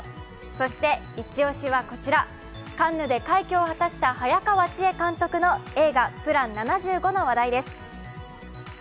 そしてイチ押しはカンヌで快挙を果たした早川千絵監督の映画「ＰＬＡＮ７５」の話題です。